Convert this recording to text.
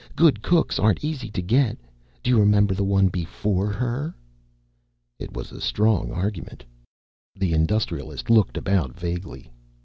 Good cooks aren't easy to get. Do you remember the one before her?" It was a strong argument. The Industrialist looked about vaguely.